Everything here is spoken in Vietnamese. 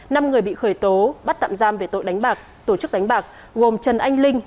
năm người bị khởi tố bắt tạm giam về tội đánh bạc tổ chức đánh bạc gồm trần anh linh